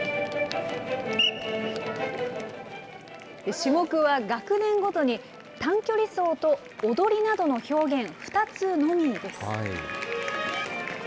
種目は学年ごとに、短距離走と踊りなどの表現、２つのみです。